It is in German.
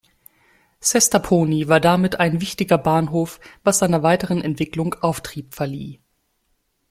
Sestaponi war damit ein wichtiger Bahnhof, was seiner weiteren Entwicklung Auftrieb verlieh.